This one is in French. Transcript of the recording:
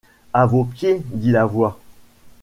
À vos pieds, dit la voix.